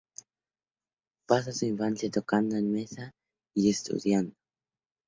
Pasa su infancia tocando en casa y estudiando.